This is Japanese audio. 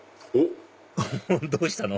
どうしたの？